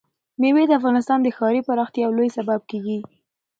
مېوې د افغانستان د ښاري پراختیا یو لوی سبب کېږي.